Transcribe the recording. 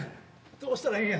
どうしたらええんや。